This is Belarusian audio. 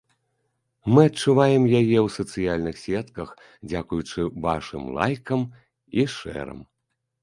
Мы адчуваем яе ў сацыяльных сетках, дзякуючы вашым лайкам і шэрам.